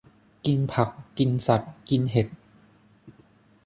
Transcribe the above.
กินผัก กินสัตว์ กินเห็ด